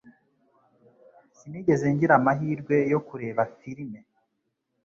Sinigeze ngira amahirwe yo kureba firime.